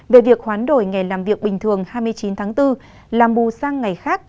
về việc hoán đổi ngày làm việc bình thường hai mươi chín tháng bốn làm bù sang ngày khác